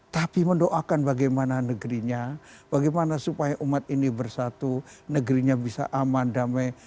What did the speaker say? tapi mendoakan bagaimana negerinya bagaimana supaya umat ini bersatu negerinya bisa aman damai